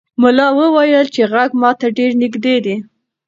ملا وویل چې غږ ماته ډېر نږدې دی.